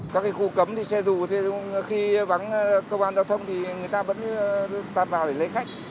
các khu cấm xe rù khi vắng công an giao thông thì người ta vẫn tạp vào để lấy khách